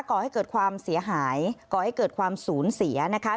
ก่อให้เกิดความเสียหายก่อให้เกิดความสูญเสียนะคะ